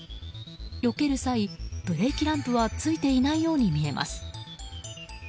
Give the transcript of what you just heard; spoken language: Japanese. よける際、ブレーキランプはついていないように見えます。